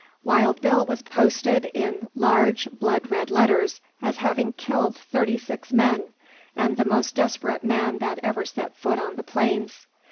Wild Bill was posted in large, blood red letters as having killed thirty six men, and the most desperate man that ever set foot on the plains.